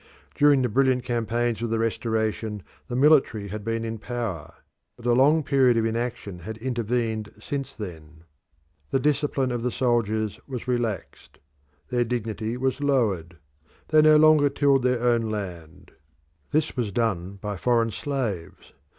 During the brilliant campaigns of the Restoration the military had been in power, but a long period of inaction had intervened since then. The discipline of the soldiers was relaxed; their dignity was lowered; they no longer tilled their own land that was done by foreign slaves.